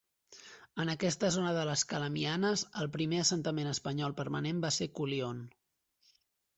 En aquesta zona de les Calamianes, el primer assentament espanyol permanent va ser Culion.